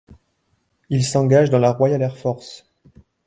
Il s'engage dans la Royal Air Force.